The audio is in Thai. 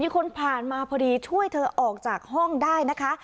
คนผ่านมาพอดีช่วยเธอออกจากห้องได้นะคะ